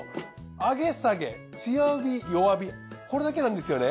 上げ下げ強火弱火これだけなんですよね。